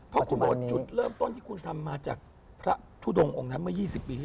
เพราะคุณบอกว่าจุดเริ่มต้นที่คุณทำมาจากพระทุดงองค์นั้นเมื่อ๒๐ปีที่